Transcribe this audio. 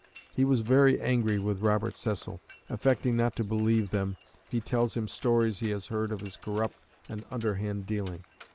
He was very angry with Robert Cecil; affecting not to believe them, he tells him stories he has heard of his corrupt and underhand dealing.